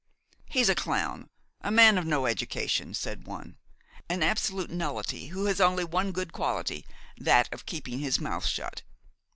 "He's a clown–a man of no education," said one; "an absolute nullity, who has only one good quality–that of keeping his mouth shut."